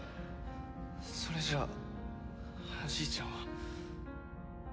それじゃおじいちゃんは。